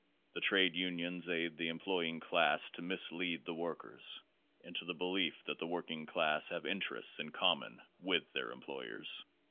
The trade unions aid the em ploying class to mislead the workers into the belief that the working class have interests in common with their employers.